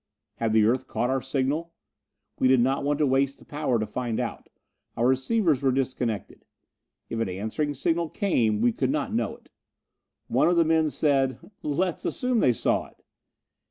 Had the Earth caught our signal? We did not want to waste the power to find out. Our receivers were disconnected. If an answering signal came, we could not know it. One of the men said: "Let's assume they saw us."